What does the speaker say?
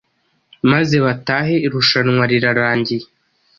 maze batahe irushanwa rirarangiye.”